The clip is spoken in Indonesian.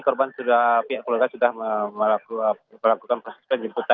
korban sudah pihak keluarga sudah melakukan proses penjemputan